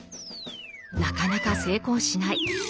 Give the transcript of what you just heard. なかなか成功しない。